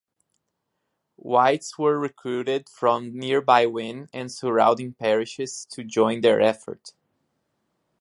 Whites were recruited from nearby Winn and surrounding parishes to join their effort.